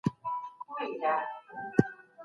ويل کيږي چې پانګه په اقتصاد کي غوره رول لري.